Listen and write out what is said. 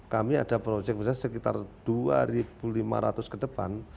kami ada proyek misalnya sekitar dua lima ratus ke depan